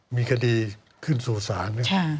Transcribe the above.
มีคดีขึ้นสู่สารเนี่ย